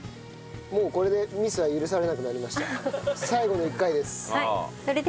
もうこれでミスは許されなくなりました。